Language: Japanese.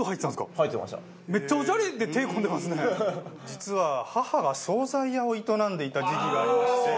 実は母が惣菜屋を営んでいた時期がありまして。